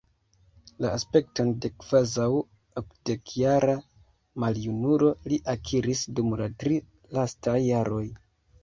La aspekton de kvazaŭ okdekjara maljunulo li akiris dum la tri lastaj jaroj.